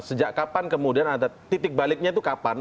sejak kapan kemudian ada titik baliknya itu kapan